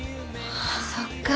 そっか。